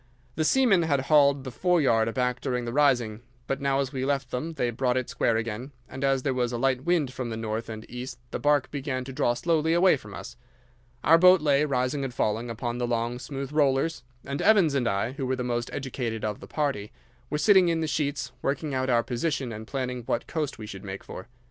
The seamen had hauled the foreyard aback during the rising, but now as we left them they brought it square again, and as there was a light wind from the north and east the barque began to draw slowly away from us. Our boat lay, rising and falling, upon the long, smooth rollers, and Evans and I, who were the most educated of the party, were sitting in the sheets working out our position and planning what coast we should make for.